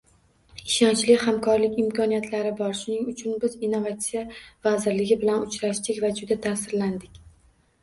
Ishonchli hamkorlik imkoniyatlari bor, shuning uchun biz Innovatsiya vazirligi bilan uchrashdik va juda taʼsirlandik.